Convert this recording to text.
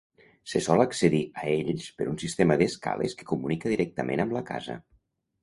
Se sol accedir a ells per un sistema d'escales que comunica directament amb la casa.